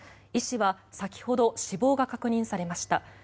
医師は先ほど死亡が確認されました。